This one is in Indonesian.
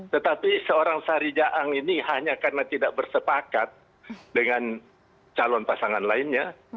tetapi seorang sari jaang ini hanya karena tidak bersepakat dengan calon pasangan lainnya